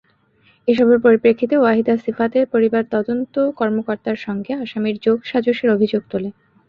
এসবের পরিপ্রেক্ষিতে ওয়াহিদা সিফাতের পরিবার তদন্ত কর্মকর্তার সঙ্গে আসামির যোগসাজশের অভিযোগ তোলে।